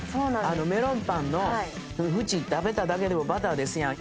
メロンパンの縁食べただけでもバターですやん。